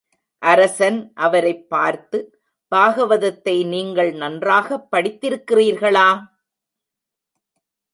அரசன் அவரைப் பார்த்து, பாகவதத்தை நீங்கள் நன்றாகப் படித்திருக்கிறீர்களா?